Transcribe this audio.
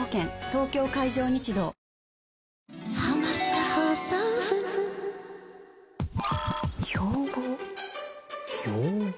東京海上日動要望？